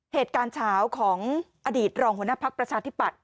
เหตุการณ์เฉาของอดีตรองหัวหน้าภักดิ์ประชาธิปัตย